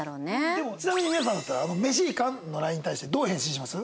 でもちなみに皆さんだったら「飯行かん？」のＬＩＮＥに対してどう返信します？